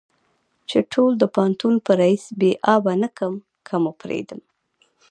چې ټول د پوهنتون په ريس بې آبه نه کم که مو پرېدم.